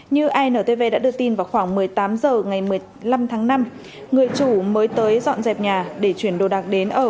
như intv đã đưa tin vào khoảng một mươi tám h ngày một mươi năm tháng năm người chủ mới tới dọn dẹp nhà để chuyển đồ đạc đến ở